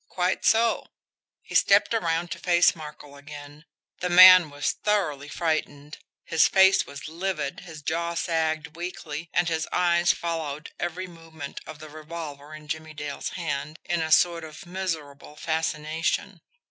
Quite so!" He stepped around to face Markel again the man was thoroughly frightened, his face was livid, his jaw sagged weakly, and his eyes followed every movement of the revolver in Jimmie Dale's hand in a sort of miserable fascination.